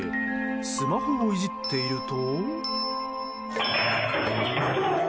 スマホをいじっていると。